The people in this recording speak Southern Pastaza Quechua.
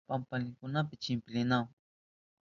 Pampalinkunapi chumpilinahun.